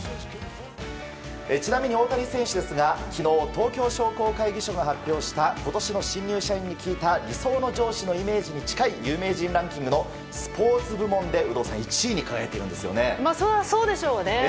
ちなみに大谷選手ですが昨日、東京商工会議所が発表した今年の新入社員に聞いた理想の上司に近いイメージの有名人ランキングのスポーツ部門でそりゃそうでしょうね。